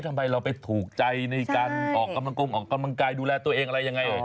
ทำไมเราไปถูกใจในการออกกำลังกงออกกำลังกายดูแลตัวเองอะไรยังไง